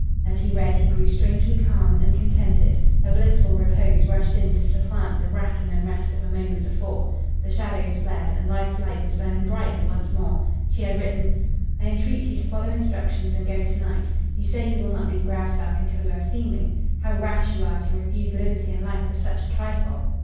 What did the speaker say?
As he read he grew strangely calm and contented; a blissful repose rushed in to supplant the racking unrest of a moment before; the shadows fled and life's light was burning brightly once more. She had written: "I entreat you to follow instructions and go to night. You say you will not leave Graustark until you have seen me. How rash you are to refuse liberty and life for such a trifle.